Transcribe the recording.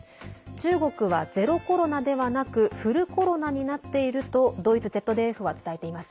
中国は、ゼロコロナではなくフルコロナになっているとドイツＺＤＦは伝えています。